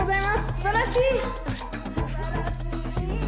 すばらしい。